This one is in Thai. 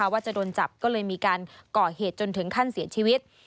ว่าจะโดนจับก็เลยมีการก่อเหตุจนถึงขั้นเสียชีวิต